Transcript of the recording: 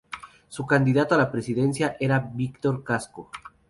Su candidato a la presidencia era Victor Casco.